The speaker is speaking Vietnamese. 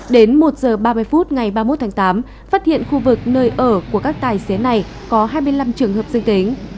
đến một h ba mươi phút ngày ba mươi một tháng tám phát hiện khu vực nơi ở của các tài xế này có hai mươi năm trường hợp dương tính